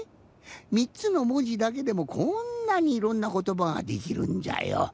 ３つのもじだけでもこんなにいろんなことばができるんじゃよ。